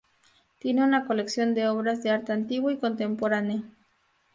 Tiene una colección de obras de arte antiguo y contemporáneo.